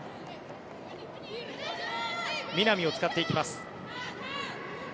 南を使っていきます。